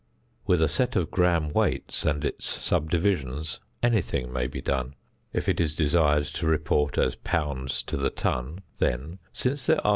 With a set of gram weights and its subdivisions anything may be done. If it is desired to report as pounds to the ton, then, since there are 2240 lbs.